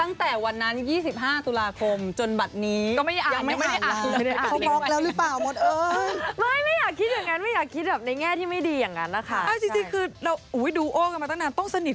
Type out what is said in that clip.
ตั้งแต่วันนั้น๒๕ตุลาคมจนบัตรนี้